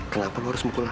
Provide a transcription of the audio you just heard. kenapa lo harus menggulangi